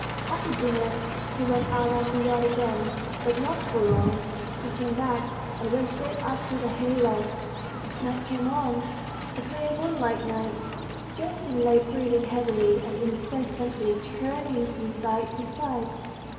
After dinner he went out of the yard again, but not for long; he came back, and went straight up to the hay loft. Night came on, a clear moonlight night. Gerasim lay breathing heavily, and incessantly turning from side to side.